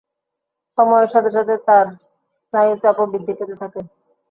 সময়ের সাথে সাথে তার স্নায়ুচাপও বৃদ্ধি পেতে থাকে।